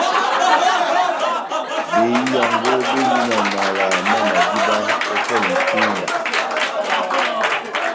Behiyango béndini na mala má madiba ópɛlɛ ya itúmba